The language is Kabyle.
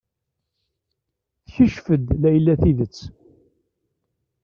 Tekcef-d Layla tidet.